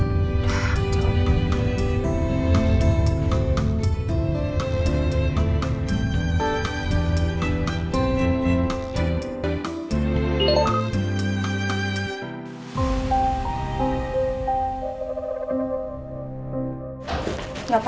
udah lah jawab aja